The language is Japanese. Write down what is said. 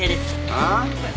ああ？